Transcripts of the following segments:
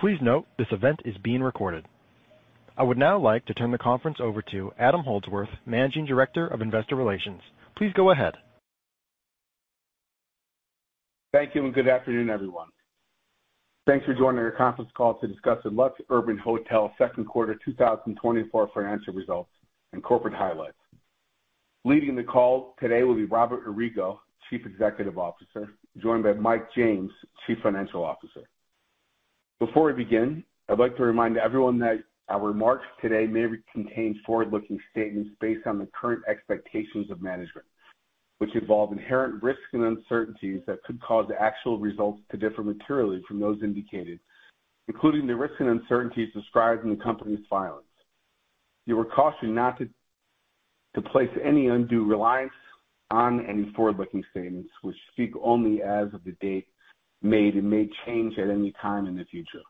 Please note, this event is being recorded. I would now like to turn the conference over to Adam Holdsworth, Managing Director of Investor Relations. Please go ahead. Thank you, and good afternoon, everyone. Thanks for joining our Conference Call to discuss the LuxUrban Hotels Second Quarter 2024 Financial Results and corporate highlights. Leading the call today will be Robert Arrigo, Chief Executive Officer, joined by Mike James, Chief Financial Officer. Before we begin, I'd like to remind everyone that our remarks today may contain forward-looking statements based on the current expectations of management, which involve inherent risks and uncertainties that could cause actual results to differ materially from those indicated, including the risks and uncertainties described in the company's filings. You are cautioned not to place any undue reliance on any forward-looking statements, which speak only as of the date made and may change at any time in the future.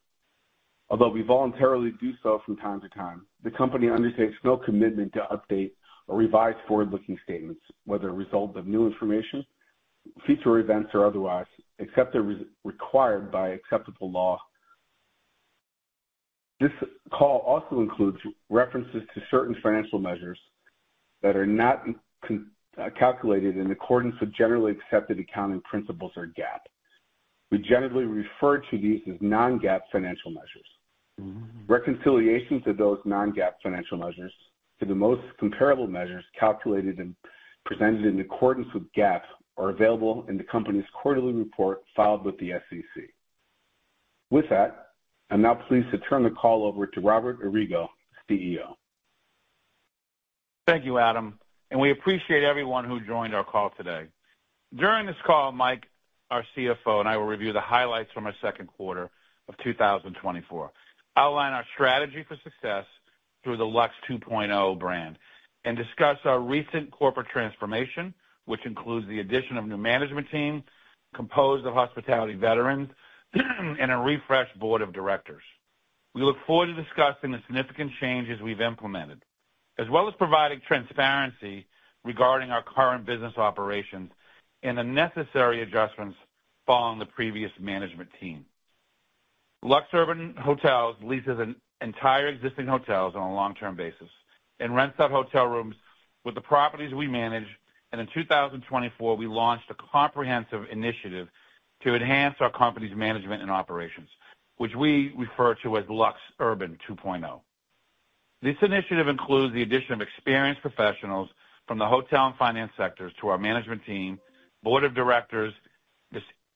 Although we voluntarily do so from time to time, the company undertakes no commitment to update or revise forward-looking statements, whether a result of new information, future events, or otherwise, except as required by applicable law. This call also includes references to certain financial measures that are not calculated in accordance with generally accepted accounting principles or GAAP. We generally refer to these as non-GAAP financial measures. Reconciliations of those non-GAAP financial measures to the most comparable measures calculated and presented in accordance with GAAP are available in the company's quarterly report filed with the SEC. With that, I'm now pleased to turn the call over to Robert Arrigo, CEO. Thank you, Adam, and we appreciate everyone who joined our call today. During this call, Mike, our CFO, and I will review the highlights from our Second Quarter of 2024, outline our strategy for success through the LuxUrban 2.0 brand, and discuss our recent corporate transformation, which includes the addition of new management team composed of hospitality veterans, and a refreshed board of directors. We look forward to discussing the significant changes we've implemented, as well as providing transparency regarding our current business operations and the necessary adjustments following the previous management team. LuxUrban Hotels leases an entire existing hotels on a long-term basis and rents out hotel rooms with the properties we manage, and in 2024, we launched a comprehensive initiative to enhance our company's management and operations, which we refer to as LuxUrban 2.0. This initiative includes the addition of experienced professionals from the hotel and finance sectors to our management team, board of directors,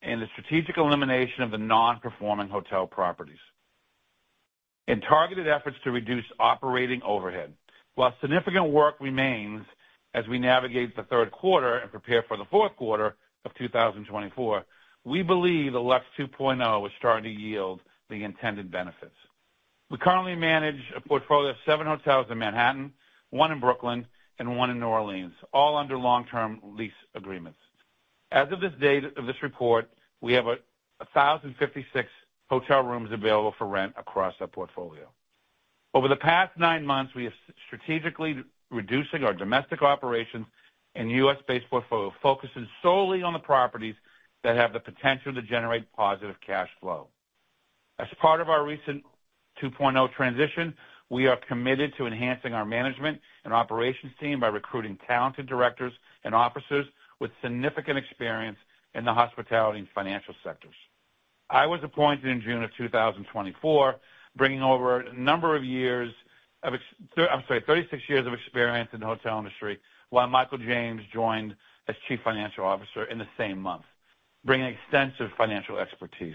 and the strategic elimination of the non-performing hotel properties, and targeted efforts to reduce operating overhead. While significant work remains as we navigate the third quarter and prepare for the fourth quarter of 2024, we believe that Lux 2.0 is starting to yield the intended benefits. We currently manage a portfolio of seven hotels in Manhattan, one in Brooklyn, and one in New Orleans, all under long-term lease agreements. As of this date of this report, we have 1,056 hotel rooms available for rent across our portfolio. Over the past nine months, we are strategically reducing our domestic operations and U.S.-based portfolio, focusing solely on the properties that have the potential to generate positive cash flow. As part of our recent 2.0 transition, we are committed to enhancing our management and operations team by recruiting talented directors and officers with significant experience in the hospitality and financial sectors. I was appointed in June of 2024, bringing 36 years of experience in the hotel industry, while Michael James joined as Chief Financial Officer in the same month, bringing extensive financial expertise.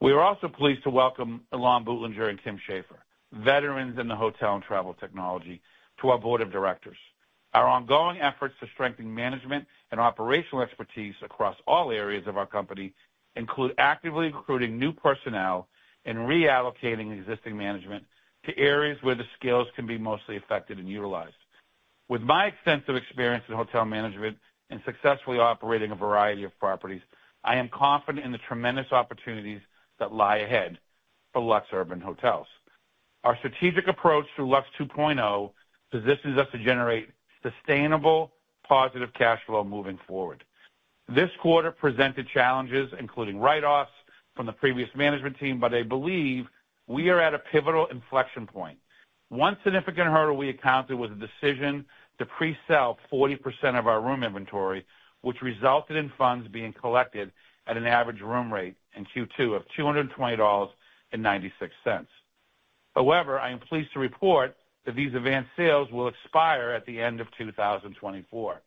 We are also pleased to welcome Elan Blutinger and Kim Schaefer, veterans in the hotel and travel technology, to our Board of Directors. Our ongoing efforts to strengthen management and operational expertise across all areas of our company include actively recruiting new personnel and reallocating existing management to areas where the skills can be mostly affected and utilized. With my extensive experience in hotel management and successfully operating a variety of properties, I am confident in the tremendous opportunities that lie ahead for LuxUrban Hotels. Our strategic approach through Lux 2.0 positions us to generate sustainable positive cash flow moving forward. This quarter presented challenges, including write-offs from the previous management team, but I believe we are at a pivotal inflection point. One significant hurdle we encountered was a decision to pre-sell 40% of our room inventory, which resulted in funds being collected at an average room rate in Q2 of $220.96. However, I am pleased to report that these advanced sales will expire at the end of 2024.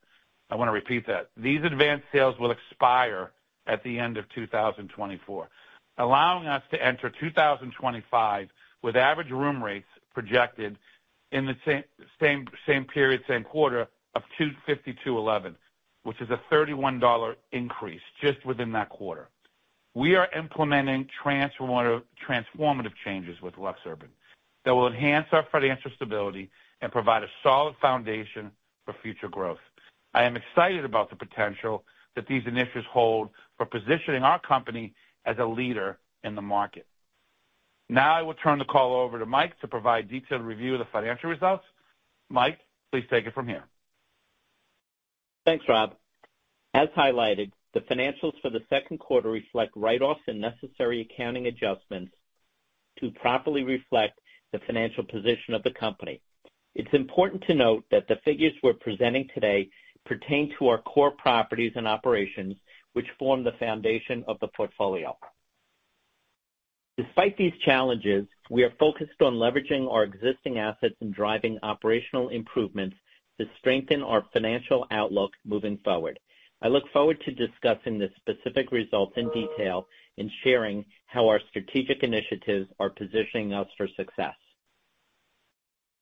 I wanna repeat that. These advanced sales will expire at the end of 2024, allowing us to enter 2025, with average room rates projected in the same period, same quarter of $250 to $311, which is a $31 increase just within that quarter. We are implementing transformative changes with LuxUrban that will enhance our financial stability and provide a solid foundation for future growth. I am excited about the potential that these initiatives hold for positioning our company as a leader in the market. Now, I will turn the call over to Mike to provide detailed review of the financial results. Mike, please take it from here.... Thanks, Rob. As highlighted, the financials for the second quarter reflect write-offs and necessary accounting adjustments to properly reflect the financial position of the company. It's important to note that the figures we're presenting today pertain to our core properties and operations, which form the foundation of the portfolio. Despite these challenges, we are focused on leveraging our existing assets and driving operational improvements to strengthen our financial outlook moving forward. I look forward to discussing the specific results in detail and sharing how our strategic initiatives are positioning us for success.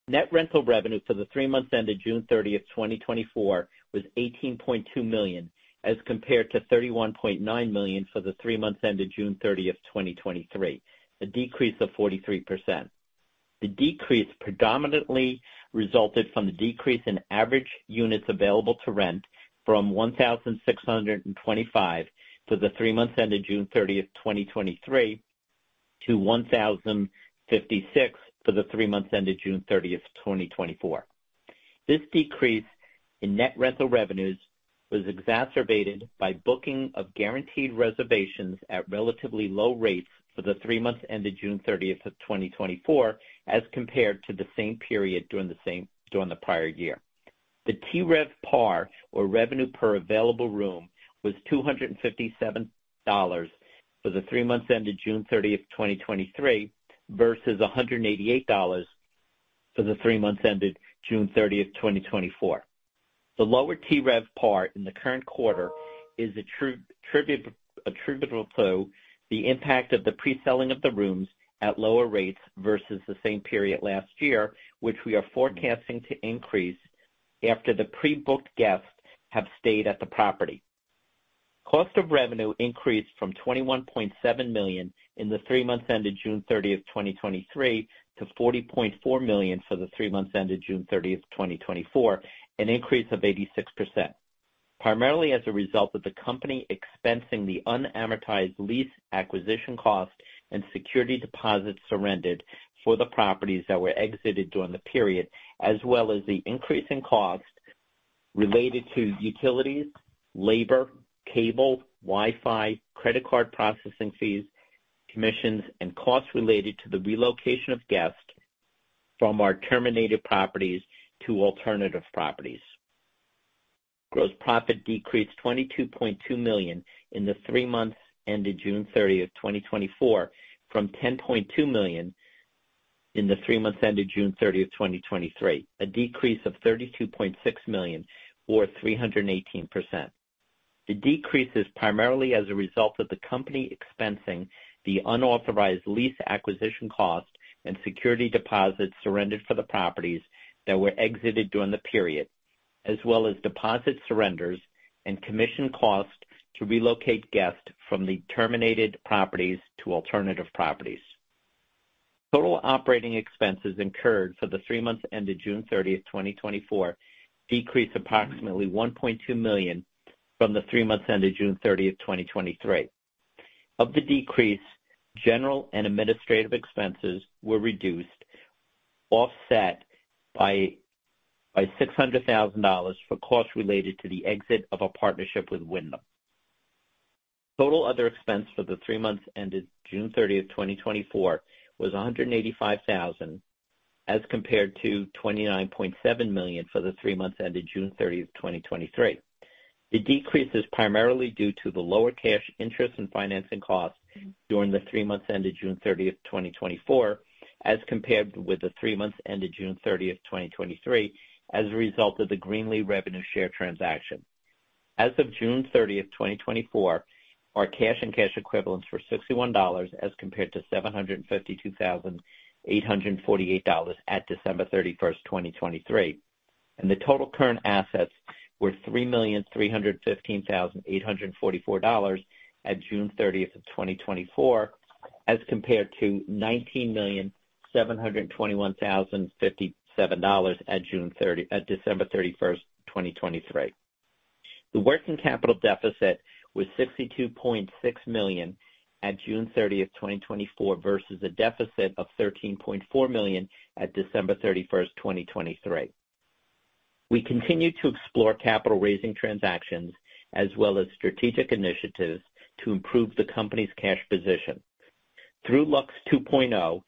Net rental revenue for the three months ended June 30th, 2024, was $18.2 million, as compared to $31.9 million for the three months ended June 30th, 2023, a decrease of 43%. The decrease predominantly resulted from the decrease in average units available to rent from 1,625 for the three months ended June 30th, 2023, to 1,056 for the three months ended June 30th, 2024. This decrease in net rental revenues was exacerbated by booking of guaranteed reservations at relatively low rates for the three months ended June 30th of 2024, as compared to the same period during the prior year. The TRevPAR, or revenue per available room, was $257 for the three months ended June 30th, 2023, versus $188 for the three months ended June 30th, 2024. The lower TRevPAR in the current quarter is attributable to the impact of the pre-selling of the rooms at lower rates versus the same period last year, which we are forecasting to increase after the pre-booked guests have stayed at the property. Cost of revenue increased from $21.7 million in the three months ended June 30, 2023, to $40.4 million for the three months ended June 30, 2024, an increase of 86%. Primarily as a result of the company expensing the unamortized lease acquisition cost and security deposits surrendered for the properties that were exited during the period, as well as the increase in cost related to utilities, labor, cable, Wi-Fi, credit card processing fees, commissions, and costs related to the relocation of guests from our terminated properties to alternative properties. Gross profit decreased $22.2 million in the three months ended June 30th, 2024, from $10.2 million in the three months ended June 30th, 2023, a decrease of $32.6 million or 318%. The decrease is primarily as a result of the company expensing the unauthorized lease acquisition cost and security deposits surrendered for the properties that were exited during the period, as well as deposit surrenders and commission costs to relocate guests from the terminated properties to alternative properties. Total operating expenses incurred for the three months ended June 30th, 2024, decreased approximately $1.2 million from the three months ended June 30th, 2023. Of the decrease, general and administrative expenses were reduced, offset by $600,000 for costs related to the exit of a partnership with Wyndham. Total other expense for the three months ended June 30th, 2024, was a 185,000 as compared to 29.7 million for the three months ended June 30th, 2023. The decrease is primarily due to the lower cash interest and financing costs during the three months ended June 30th, 2024, as compared with the three months ended June 30th, 2023, as a result of the Greenle revenue share transaction. As of June 30th, 2024, our cash and cash equivalents were $61, as compared to $752,848 at December 31st, 2023, and the total current assets were $3,315,844 at June 30th of 2024, as compared to $19,721,057 at December 31st, 2023. The working capital deficit was $62.6 million at June 30th, 2024, versus a deficit of $13.4 million at December 31st, 2023. We continue to explore capital-raising transactions as well as strategic initiatives to improve the company's cash position. Through Lux 2.0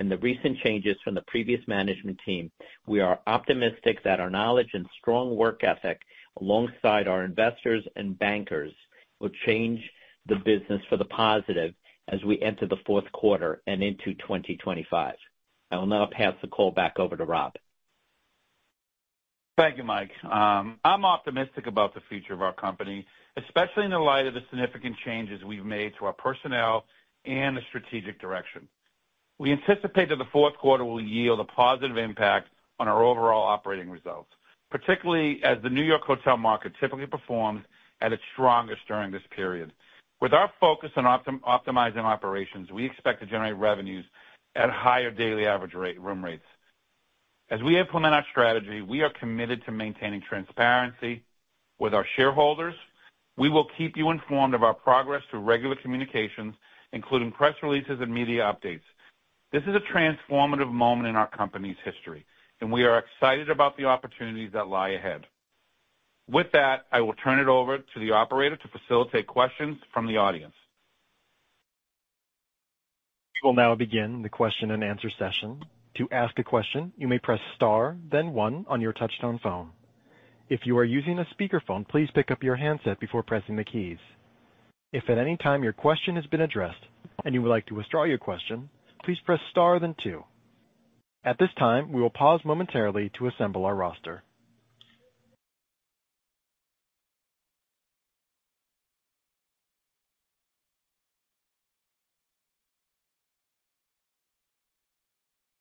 and the recent changes from the previous management team, we are optimistic that our knowledge and strong work ethic, alongside our investors and bankers, will change the business for the positive as we enter the fourth quarter and into 2025. I will now pass the call back over to Rob. Thank you, Mike. I'm optimistic about the future of our company, especially in the light of the significant changes we've made to our personnel and the strategic direction. We anticipate that the fourth quarter will yield a positive impact on our overall operating results, particularly as the New York hotel market typically performs at its strongest during this period. With our focus on optimizing operations, we expect to generate revenues at higher daily average room rates. As we implement our strategy, we are committed to maintaining transparency with our shareholders. We will keep you informed of our progress through regular communications, including press releases and media updates. This is a transformative moment in our company's history, and we are excited about the opportunities that lie ahead. With that, I will turn it over to the Operator to facilitate questions from the audience. We'll now begin the question-and-answer session. To ask a question, you may press star, then one on your touchtone phone. If you are using a speakerphone, please pick up your handset before pressing the keys. If at any time your question has been addressed and you would like to withdraw your question, please press star, then two. At this time, we will pause momentarily to assemble our roster.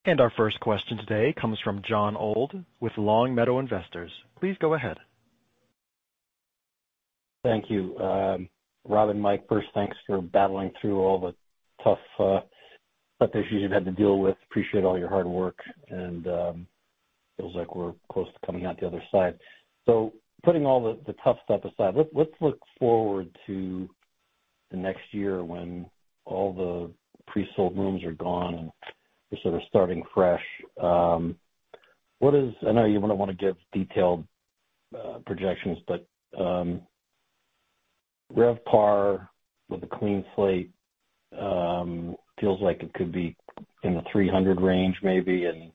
And our first question today comes from Jon Old with Long Meadow Investors. Please go ahead. Thank you. Rob and Mike, first, thanks for battling through all the tough issues you've had to deal with. Appreciate all your hard work, and feels like we're close to coming out the other side, so putting all the tough stuff aside, let's look forward to the next year when all the resold rooms are gone and you're sort of starting fresh. What is... I know you wouldn't want to give detailed projections, but RevPAR with a clean slate feels like it could be in the 300 range maybe, and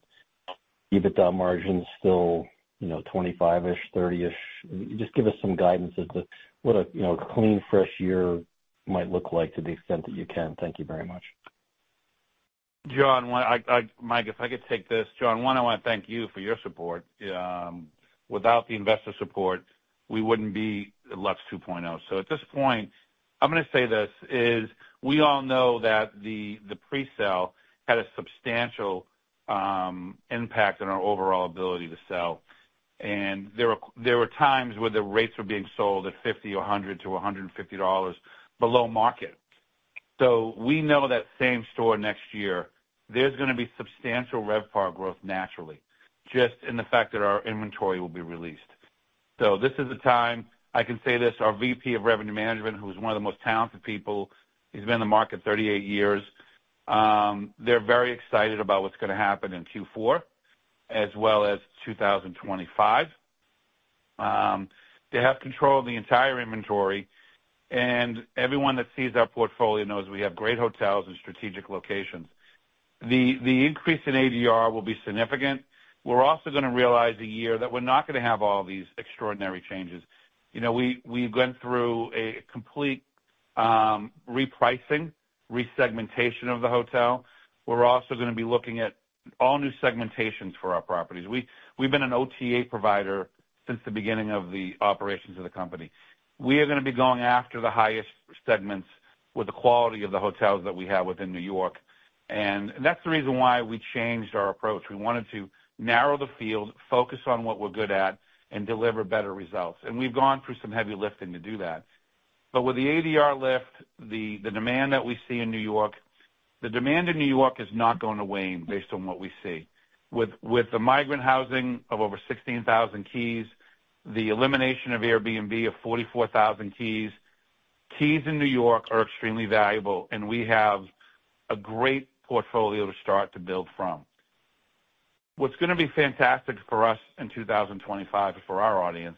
EBITDA margins still, you know, 25%-ish, 30%-ish. Just give us some guidance as to what a, you know, clean, fresh year might look like to the extent that you can. Thank you very much. John, Mike, if I could take this. John, one, I want to thank you for your support. Without the investor support, we wouldn't be Lux 2.0. So at this point, I'm gonna say this is. We all know that the presale had a substantial impact on our overall ability to sell, and there were times where the rates were being sold at $50 or $100 to $150 below market. So we know that same store next year, there's gonna be substantial RevPAR growth naturally, just in the fact that our inventory will be released. So this is the time I can say this. Our VP of Revenue Management, who's one of the most talented people, he's been in the market 38 years. They're very excited about what's gonna happen in Q4 as well as 2025. They have control of the entire inventory, and everyone that sees our portfolio knows we have great hotels and strategic locations. The increase in ADR will be significant. We're also gonna realize a year that we're not gonna have all these extraordinary changes. You know, we've gone through a complete repricing, resegmentation of the hotel. We're also gonna be looking at all new segmentations for our properties. We've been an OTA provider since the beginning of the operations of the company. We are gonna be going after the highest segments with the quality of the hotels that we have within New York, and that's the reason why we changed our approach. We wanted to narrow the field, focus on what we're good at, and deliver better results, and we've gone through some heavy lifting to do that. But with the ADR lift, the demand that we see in New York is not going to wane based on what we see. With the migrant housing of over sixteen thousand keys, the elimination of Airbnb of forty-four thousand keys, keys in New York are extremely valuable, and we have a great portfolio to start to build from. What's gonna be fantastic for us in 2025 for our audience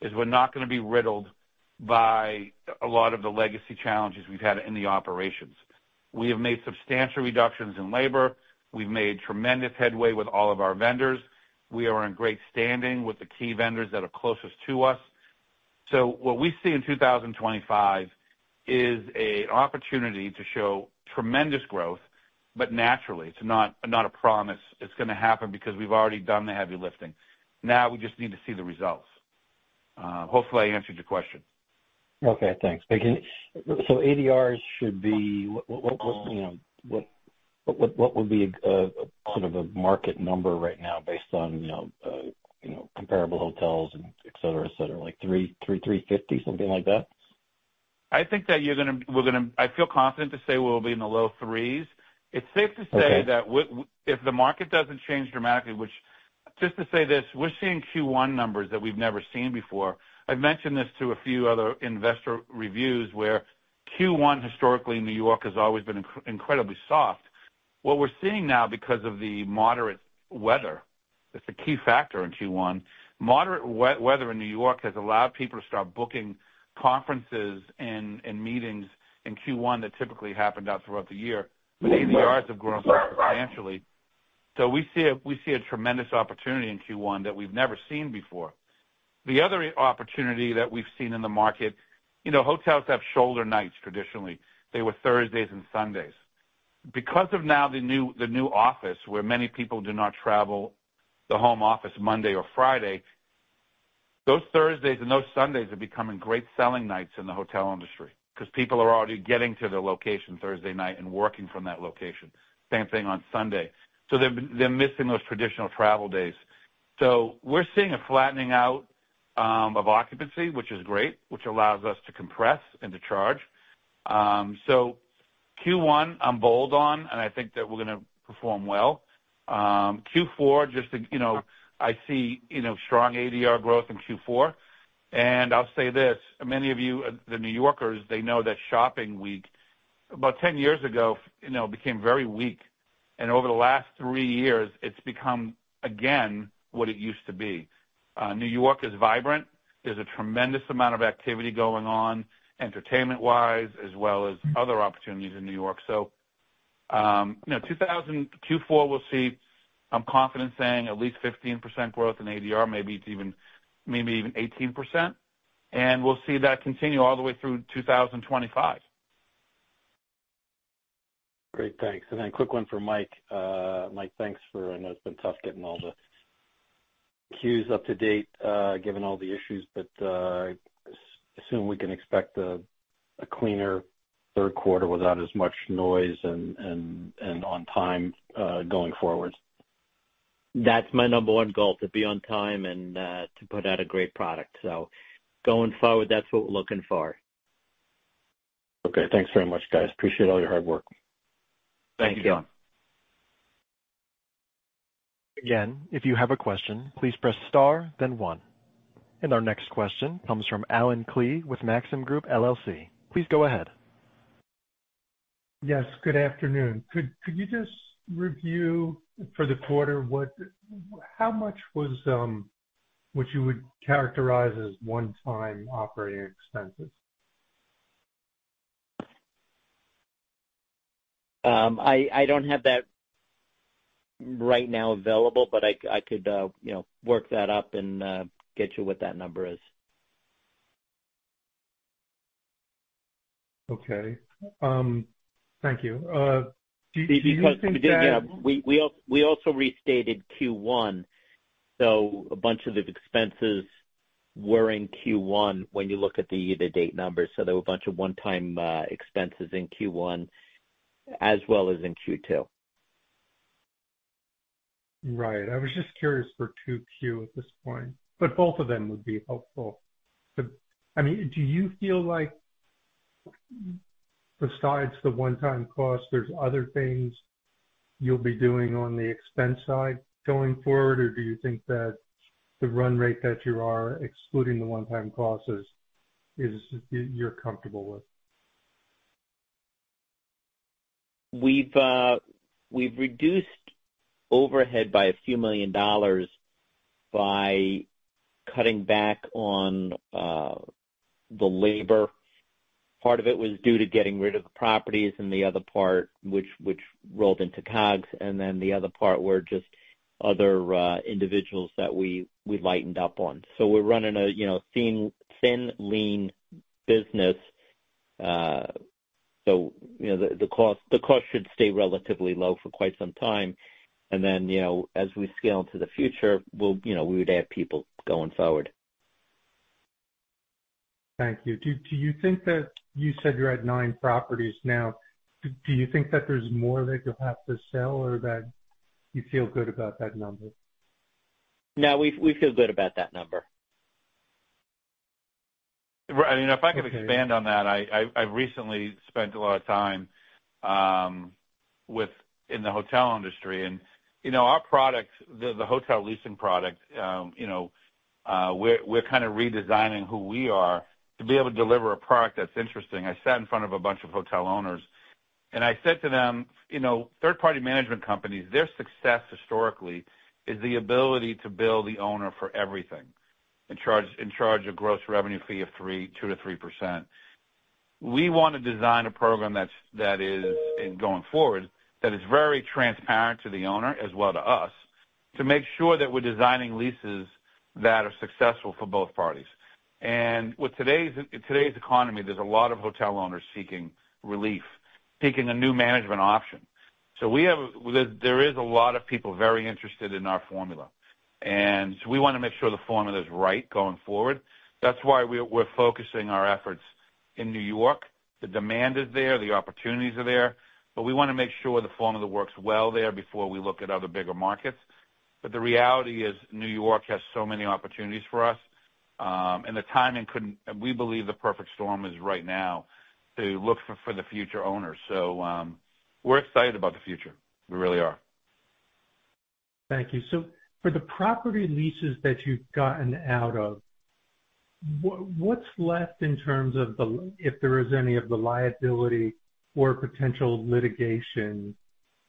is we're not gonna be riddled by a lot of the legacy challenges we've had in the operations. We have made substantial reductions in labor. We've made tremendous headway with all of our vendors. We are in great standing with the key vendors that are closest to us. So what we see in 2025 is a opportunity to show tremendous growth, but naturally, it's not a promise. It's gonna happen because we've already done the heavy lifting. Now we just need to see the results. Hopefully, I answered your question. Okay, thanks. But... So ADRs should be, what, you know, what would be sort of a market number right now based on, you know, comparable hotels and et cetera, et cetera, like three fifty, something like that? I think that we're gonna. I feel confident to say we'll be in the low threes. Okay. It's safe to say that if the market doesn't change dramatically, which, just to say this, we're seeing Q1 numbers that we've never seen before. I've mentioned this to a few other investor reviews, where Q1, historically, New York, has always been incredibly soft. What we're seeing now because of the moderate weather, it's a key factor in Q1. Moderate weather in New York has allowed people to start booking conferences and meetings in Q1 that typically happened throughout the year, but ADRs have grown substantially. So we see a tremendous opportunity in Q1 that we've never seen before. The other opportunity that we've seen in the market, you know, hotels have shoulder nights traditionally. They were Thursdays and Sundays. Because of the new office, where many people do not travel to the home office Monday or Friday, those Thursdays and those Sundays are becoming great selling nights in the hotel industry because people are already getting to their location Thursday night and working from that location. Same thing on Sunday. They're missing those traditional travel days. We're seeing a flattening out of occupancy, which is great, which allows us to compress and to charge. Q1, I'm bold on, and I think that we're gonna perform well. Q4, just to, you know, I see, you know, strong ADR growth in Q4. I'll say this, many of you, the New Yorkers, they know that shopping week, about ten years ago, you know, became very weak, and over the last three years, it's become, again, what it used to be. New York is vibrant. There's a tremendous amount of activity going on, entertainment-wise, as well as other opportunities in New York. So, you know, two thousand Q4, we'll see. I'm confident saying at least 15% growth in ADR, maybe it's even, maybe even 18%. And we'll see that continue all the way through 2025. Great, thanks. And then a quick one for Mike. Mike, thanks for, I know it's been tough getting all the Q's up to date, given all the issues, but assume we can expect a cleaner third quarter without as much noise and on time, going forward. That's my number one goal, to be on time and, to put out a great product. So going forward, that's what we're looking for. Okay. Thanks very much, guys. Appreciate all your hard work. Thank you. Thanks, Jon. Again, if you have a question, please press star, then one. Our next question comes from Allen Klee with Maxim Group LLC. Please go ahead. Yes, good afternoon. Could you just review for the quarter, how much was what you would characterize as one-time operating expenses? I don't have that right now available, but I could, you know, work that up and get you what that number is. Okay. Thank you. Do you think that- We also restated Q1, so a bunch of the expenses were in Q1 when you look at the year-to-date numbers. So there were a bunch of one-time expenses in Q1 as well as in Q2. Right. I was just curious for Q2 at this point, but both of them would be helpful. But, I mean, do you feel like, besides the one-time cost, there's other things you'll be doing on the expense side going forward? Or do you think that the run rate that you are, excluding the one-time costs, is you're comfortable with? We've reduced overhead by a few million dollars by cutting back on the labor. Part of it was due to getting rid of the properties and the other part which rolled into COGS, and then the other part were just other individuals that we lightened up on. So we're running a you know thin lean business. So you know the cost should stay relatively low for quite some time. And then you know as we scale into the future we'll you know we would add people going forward. Thank you. Do you think that... You said you're at nine properties now, do you think that there's more that you'll have to sell, or that you feel good about that number? No, we feel good about that number. Right. I mean, if I could expand on that, I, I've recently spent a lot of time within the hotel industry and, you know, our products, the hotel leasing product, you know, we're kind of redesigning who we are to be able to deliver a product that's interesting. I sat in front of a bunch of hotel owners, and I said to them, "You know, third-party management companies, their success historically, is the ability to bill the owner for everything and charge, and charge a gross revenue fee of 2% to 3%." We want to design a program that's, that is, and going forward, that is very transparent to the owner as well to us, to make sure that we're designing leases that are successful for both parties. With today's economy, there's a lot of hotel owners seeking relief, seeking a new management option. So there is a lot of people very interested in our formula, and so we want to make sure the formula is right going forward. That's why we're focusing our efforts in New York. The demand is there, the opportunities are there, but we want to make sure the formula works well there before we look at other bigger markets. But the reality is, New York has so many opportunities for us, and the timing couldn't.... We believe the perfect storm is right now to look for the future owners. We're excited about the future. We really are. Thank you. So for the property leases that you've gotten out of, what's left in terms of the, if there is any, of the liability or potential litigation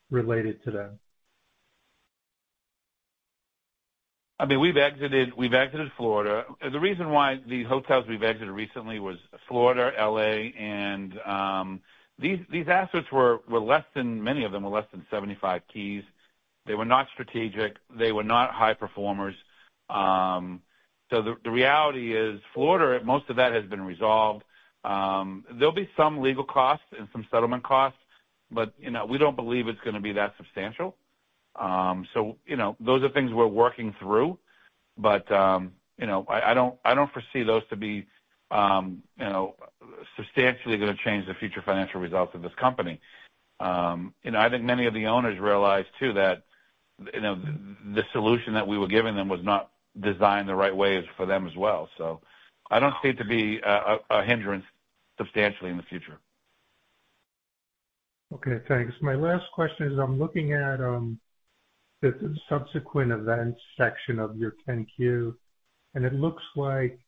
related to them? I mean, we've exited Florida. The reason why these hotels we've exited recently was Florida, LA, and these assets were less than, many of them were less than seventy-five keys. They were not strategic. They were not high performers. So the reality is, Florida, most of that has been resolved. There'll be some legal costs and some settlement costs, but, you know, we don't believe it's gonna be that substantial. So, you know, those are things we're working through, but, you know, I don't foresee those to be substantially gonna change the future financial results of this company. You know, I think many of the owners realize, too, that you know, the solution that we were giving them was not designed the right way for them as well. So I don't see it to be a hindrance substantially in the future. Okay, thanks. My last question is, I'm looking at the Subsequent Events section of your 10-Q, and it looks like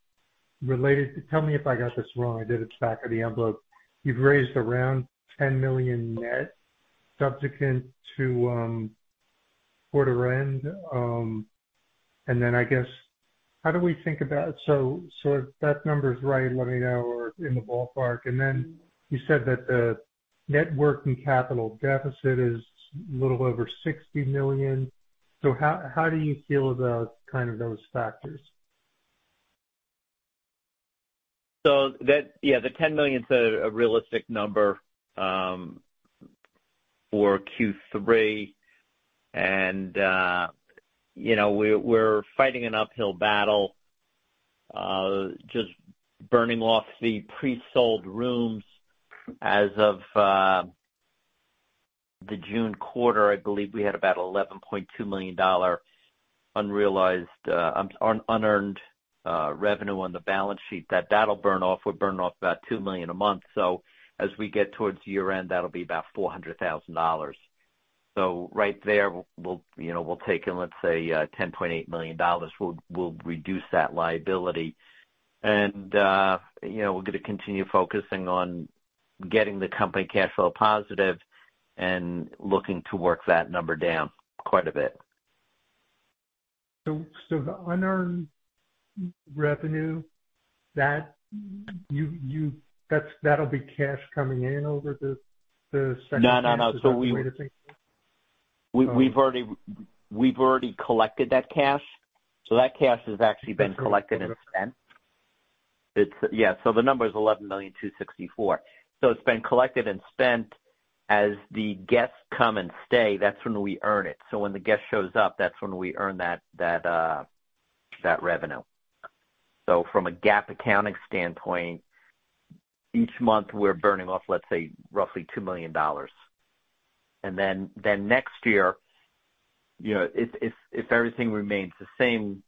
related to... Tell me if I got this wrong, I did it back of the envelope. You've raised around $10 million net subsequent to quarter end, and then I guess, how do we think about so if that number is right, let me know, or in the ballpark. And then you said that the net working capital deficit is a little over $60 million. So how do you feel about kind of those factors? So that, yeah, the $10 million is a realistic number for Q3. And, you know, we're fighting an uphill battle, just burning off the pre-sold rooms. As of the June quarter, I believe we had about $11.2 million unrealized unearned revenue on the balance sheet. That, that'll burn off. We're burning off about $2 million a month. So as we get towards year end, that'll be about $400,000. So right there, we'll, you know, we'll take in, let's say, $10.8 million. We'll reduce that liability. And, you know, we're gonna continue focusing on getting the company cash flow positive and looking to work that number down quite a bit. So the unearned revenue that you... That's, that'll be cash coming in over the second- No, no, no. Is that the way to think of it? We've already collected that cash, so that cash has actually been collected and spent. Yeah, so the number is $11.264 million. So it's been collected and spent. As the guests come and stay, that's when we earn it. So when the guest shows up, that's when we earn that revenue. So from a GAAP accounting standpoint, each month we're burning off, let's say, roughly $2 million. Then next year, you know, if everything remains the same,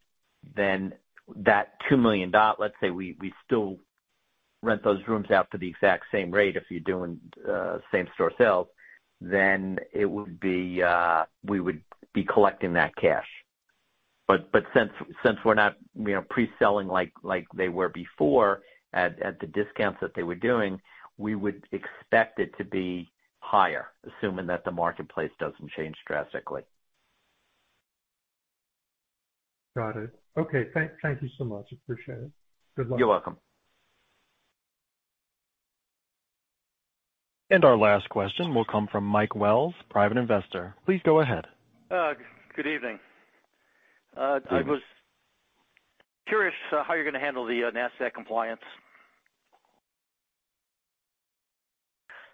then that $2 million, let's say we still rent those rooms out for the exact same rate as you're doing, same store sales, then it would be, we would be collecting that cash. But since we're not, you know, pre-selling like they were before at the discounts that they were doing, we would expect it to be higher, assuming that the marketplace doesn't change drastically. Got it. Okay. Thank you so much. Appreciate it. Good luck. You're welcome. And our last question will come from Mike Wells, private investor. Please go ahead. Good evening. Good evening. I was curious how you're gonna handle the Nasdaq compliance.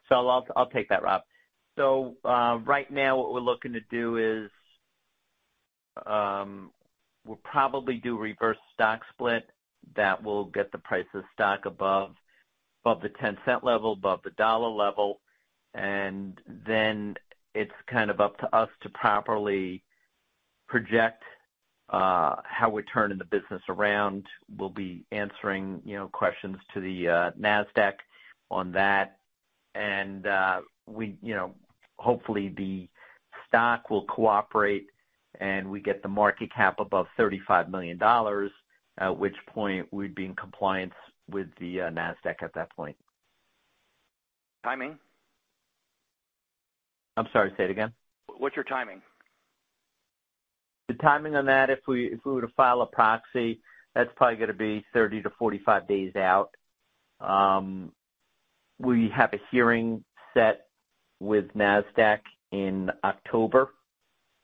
So I'll take that, Rob. So, right now, what we're looking to do is, we'll probably do reverse stock split. That will get the price of stock above the 10-cent level, above the dollar level, and then it's kind of up to us to properly project how we're turning the business around. We'll be answering, you know, questions to the NASDAQ on that. And, we, you know, hopefully the stock will cooperate, and we get the market cap above $35 million, at which point we'd be in compliance with the NASDAQ at that point. Timing? I'm sorry, say it again? What's your timing? The timing on that, if we were to file a proxy, that's probably gonna be thirty to forty-five days out. We have a hearing set with Nasdaq in October,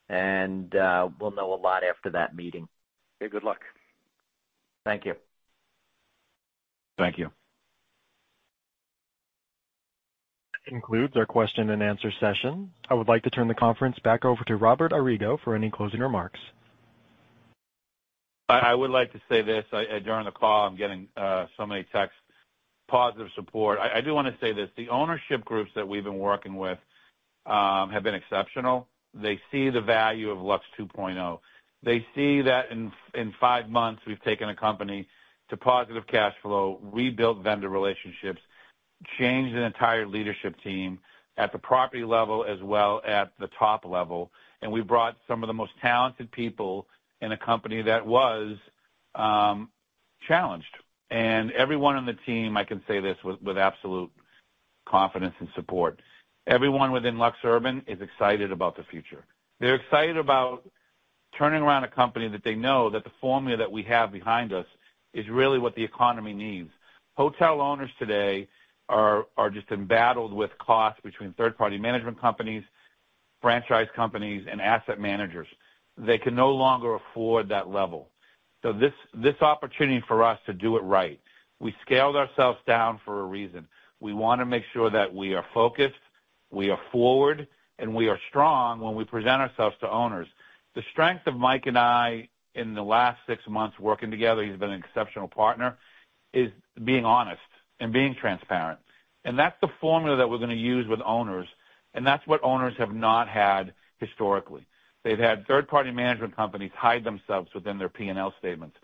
and we'll know a lot after that meeting. Okay. Good luck. Thank you. Thank you. That concludes our question and answer session. I would like to turn the conference back over to Robert Arrigo for any closing remarks. I would like to say this during the call. I'm getting so many texts, positive support. I do wanna say this: The ownership groups that we've been working with have been exceptional. They see the value of Lux 2.0. They see that in five months, we've taken a company to positive cash flow, rebuilt vendor relationships, changed an entire leadership team at the property level, as well at the top level, and we brought some of the most talented people in a company that was challenged. Everyone on the team, I can say this with absolute confidence and support, everyone within LuxUrban is excited about the future. They're excited about turning around a company that they know that the formula that we have behind us is really what the economy needs. Hotel owners today are just embattled with costs between third-party management companies, franchise companies, and asset managers. They can no longer afford that level. So this opportunity for us to do it right, we scaled ourselves down for a reason. We wanna make sure that we are focused, we are forward, and we are strong when we present ourselves to owners. The strength of Mike and I in the last six months working together, he's been an exceptional partner, is being honest and being transparent, and that's the formula that we're gonna use with owners, and that's what owners have not had historically. They've had third-party management companies hide themselves within their P&L statements.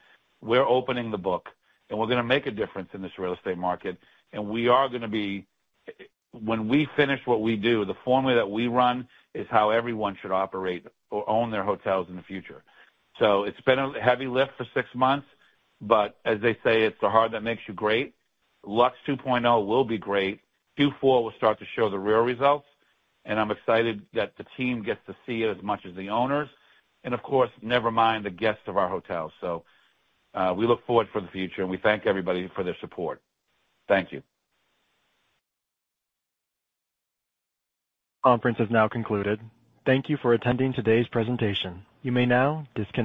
We're opening the book, and we're gonna make a difference in this real estate market, and we are gonna be... When we finish what we do, the formula that we run is how everyone should operate or own their hotels in the future. So it's been a heavy lift for six months, but as they say, "It's the heart that makes you great." Lux 2.0 will be great. Q4 will start to show the real results, and I'm excited that the team gets to see it as much as the owners and, of course, never mind the guests of our hotel. So, we look forward for the future, and we thank everybody for their support. Thank you. Conference is now concluded. Thank you for attending today's presentation. You may now disconnect.